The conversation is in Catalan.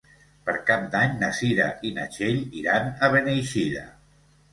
Per Cap d'Any na Cira i na Txell iran a Beneixida.